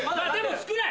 少ない！